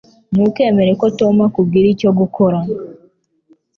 Ntukemere ko Tom akubwira icyo gukora